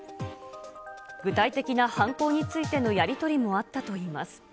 具体的な犯行についてのやり取りもあったといいます。